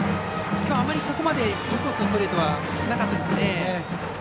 きょうは、あまりここまでインコースのストレートはなかったですね。